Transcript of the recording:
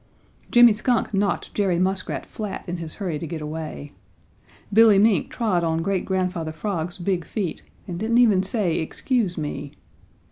Jimmy Skunk knocked Jerry Muskrat flat in his hurry to get away. Billy Mink trod on Great Grandfather Frog's big feet and didn't even say "Excuse me."